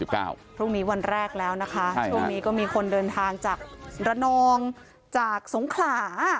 พรุ่งนี้วันแรกแล้วนะคะช่วงนี้ก็มีคนเดินทางจากระนองจากสงขลา